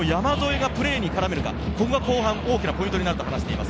６番・ボランチの山副がプレーに絡めるか、ここが後半大きなポイントになると話しています。